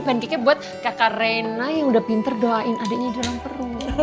pancake buat kakak reina yang udah pinter doain adeknya di dalam perut